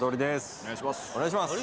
お願いします。